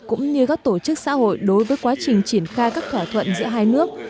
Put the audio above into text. cũng như các tổ chức xã hội đối với quá trình triển khai các thỏa thuận giữa hai nước